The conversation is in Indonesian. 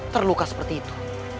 terluka seperti itu